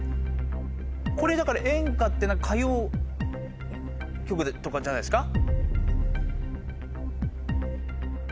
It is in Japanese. これだから演歌って歌謡曲とかじゃないですか？